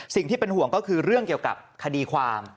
สิ่งที่เป็นห่วงก็คือเรื่องเกี่ยวกับคดีความ